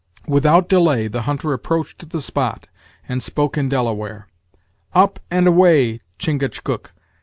Without delay the hunter approached the spot, and spoke in Delaware: "Up and away, Chingachgook!